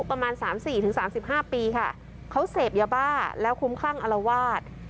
ประมาณสามสี่ถึงสามสิบห้าปีค่ะเขาเสพยาบ้าแล้วคุ้มคลั่งอลวาด